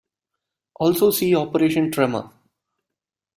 Also see Operation Tremor.